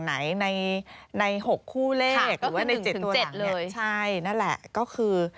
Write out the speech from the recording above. ใช่นั่นแหละก็คือ